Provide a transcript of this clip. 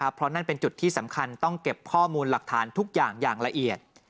เพราะนั่นเป็นจุดที่สำคัญต้องเก็บข้อมูลหลักฐานทุกอย่างอย่างละเอียด